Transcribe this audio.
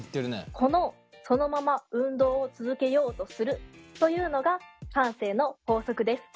このそのまま運動を続けようとするというのが慣性の法則です。